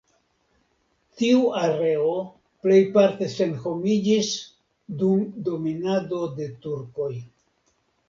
Tiu areo plejparte senhomiĝis dum dominado de turkoj.